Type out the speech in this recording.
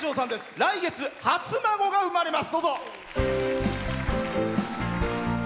来月、初孫が生まれます。